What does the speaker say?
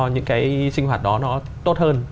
những cái sinh hoạt đó nó tốt hơn